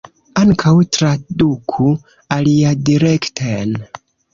Ankaŭ traduku aliadirekten.